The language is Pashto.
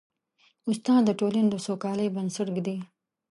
استاد د ټولنې د سوکالۍ بنسټ ږدي.